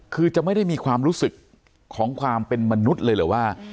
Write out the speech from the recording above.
คือจะไม่ได้มีความรู้สึกของความเป็นมนุษย์เลยหรือว่า